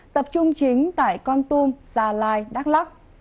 tập trung chính tại con tum gia lai đắk lắc